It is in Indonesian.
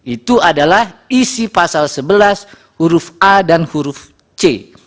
itu adalah isi pasal sebelas huruf a dan huruf c